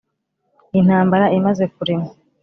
intambara imaze kurema